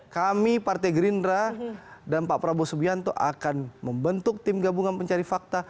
kami partai gerindra dan pak prabowo subianto akan membentuk tim gabungan pencari fakta